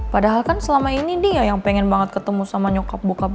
padahal kan selama ini dia yang pengen banget ketemu sama nyokap buka